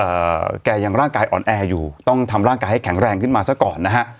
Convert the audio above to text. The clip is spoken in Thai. แกยังร่างกายอ่อนแออยู่ต้องทำร่างกายให้แข็งแรงขึ้นมาซะก่อนนะฮะ